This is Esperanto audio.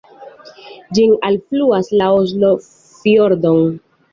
Ĝin alfluas la Oslo-fjordon.